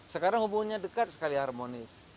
sekarang hubungannya dekat sekali harmonis